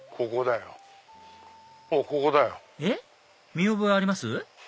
見覚えあります？